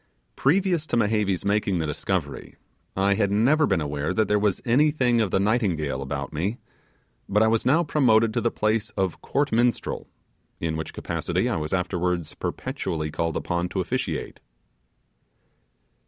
Previous to Mehevi's making the discovery, I had never been aware that there was anything of the nightingale about me; but I was now promoted to the place of court minstrel, in which capacity I was afterwards perpetually called upon to officiate.